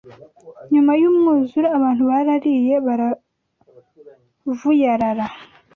Nyuma y’umwuzure abantu barariye baravuyarara